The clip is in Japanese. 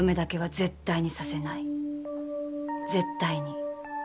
絶対に。